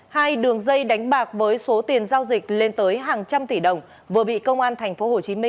hai đường dây đánh bạc với số tiền giao dịch lên tới hàng trăm tỷ đồng vừa bị công an tp hcm